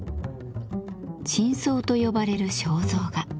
「頂相」と呼ばれる肖像画。